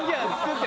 って。